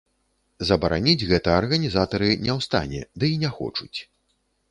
Забараніць гэта арганізатары не ў стане, ды й не хочуць.